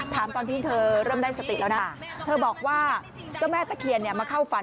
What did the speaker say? ตอนที่เธอเริ่มได้สติแล้วนะเธอบอกว่าเจ้าแม่ตะเคียนเนี่ยมาเข้าฝัน